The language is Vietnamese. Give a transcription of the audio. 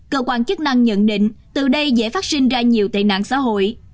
cơ quan chức năng nhận định từ đây dễ phát sinh ra nhiều tệ nạn xã hội